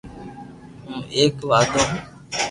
ھون ايڪ واڌو ھون